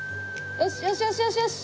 よしよしよしよし！